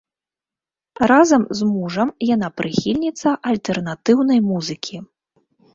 Разам з мужам яна прыхільніца альтэрнатыўнай музыкі.